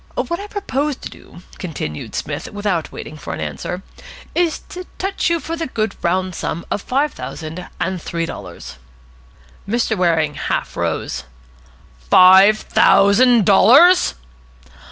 "What I propose to do," continued Psmith, without waiting for an answer, "is to touch you for the good round sum of five thousand and three dollars." Mr. Waring half rose. "Five thousand dollars!"